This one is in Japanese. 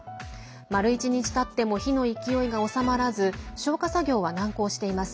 丸一日たっても火の勢いが収まらず消火作業は難航しています。